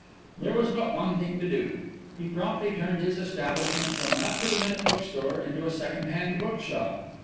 There was but one thing to do. He promptly turned his establishment from an up to the minute book store into a second hand bookshop.